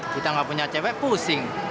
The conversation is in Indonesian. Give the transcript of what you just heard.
kita nggak punya cewek pusing